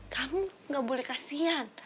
kamu gak boleh kasian